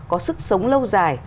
có sức sống lâu dài